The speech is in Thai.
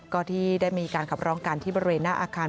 ก็ที่ได้มีการขับร้องกันที่บริเวณหน้าอาคาร